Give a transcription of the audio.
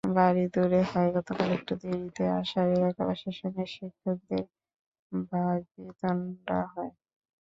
বাড়ি দূরে হওয়ায় গতকাল একটু দেরিতে আসায় এলাকাবাসীর সঙ্গে শিক্ষকদের বাগ্বিতণ্ডা হয়।